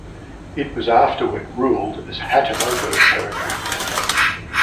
It was afterward ruled as "hatamoto" territory.